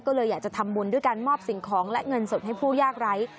ก็เลยอยากจะทำบุญด้วยการมอบสิ่งของและเงินสดให้ผู้ยากไร้